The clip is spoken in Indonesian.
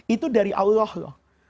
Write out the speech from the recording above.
itu dari allah loh